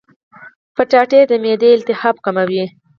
کچالو د معدې التهاب کموي.